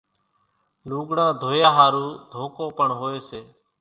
لُوڳڙان ڌويا ۿارُو ڌوڪو پڻ هوئيَ سي۔